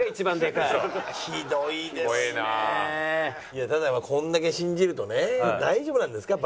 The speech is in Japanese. いやただこれだけ信じるとね大丈夫なんですか？